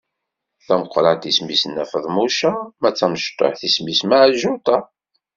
Tameqrant isem-is Nna Feḍmuca, ma d tamecṭuḥt isem-is Meɛǧuṭa.